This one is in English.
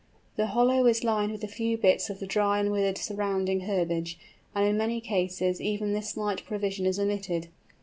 The hollow is lined with a few bits of the dry and withered surrounding herbage; and in many cases even this slight provision is omitted.